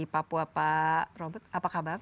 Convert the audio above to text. papua pak robot apa kabar